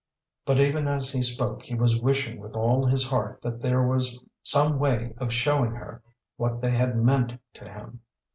But even as he spoke he was wishing with all his heart that there was some way of showing her what they had meant to him.